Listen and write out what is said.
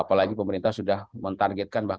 apalagi pemerintah sudah menargetkan bahwa